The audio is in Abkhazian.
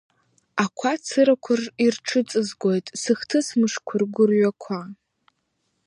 Ақәа цырақәа ирҽыҵызгоит, сыхҭыс мышқәа ргәырҩақәа.